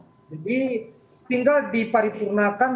jadi tinggal dipariturnakan